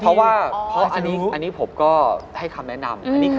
เพราะว่าเพราะว่าเพราะว่าเพราะว่าเพราะ